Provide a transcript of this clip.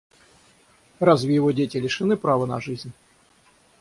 Разве его дети лишены права на жизнь?